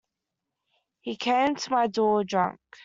He came to my door, drunk.